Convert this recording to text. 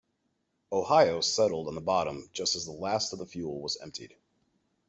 "Ohio" settled on the bottom just as the last of the fuel was emptied.